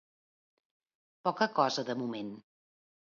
Poca cosa, de moment.